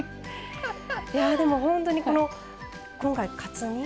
いやでも本当にこの今回カツ煮。